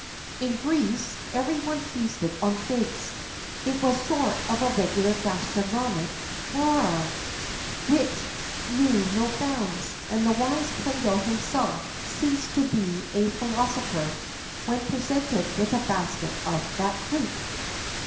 [XIII 52] In Greece every one feasted on figs: it was a sort of regular gastronomic furore, which knew no bounds, and the wise Plato himself ceased to be a philosopher when presented with a basket of that fruit.